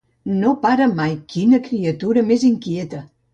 No para mai: quina criatura més inquieta!